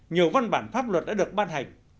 nhiều văn bản pháp luật đã được ban hành